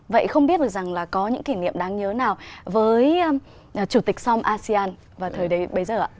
vậy không biết được rằng là có những kỷ niệm đáng nhớ nào với chủ tịch song asean và thời bây giờ ạ